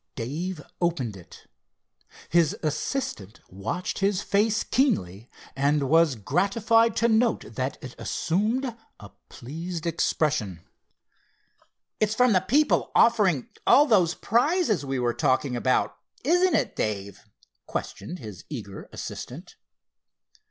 Dave opened it. His assistant watched his face keenly, and was gratified to note that it assumed a pleased expression. "It's from the people offering all those prizes we were talking about; isn't it, Dave?" questioned his eager assistant.